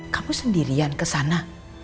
kamu sendirian ke sana